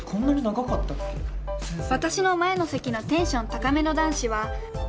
私の前の席のテンション高めの男子は。